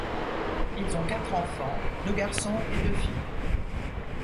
Ils ont quatre enfants, deux garçons et deux filles.